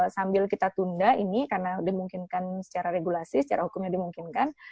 sambil kita tunda ini karena dimungkinkan secara regulasi secara hukumnya dimungkinkan